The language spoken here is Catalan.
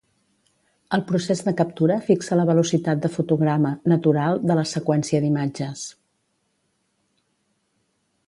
El procés de captura fixa la velocitat de fotograma "natural" de la seqüència d'imatges.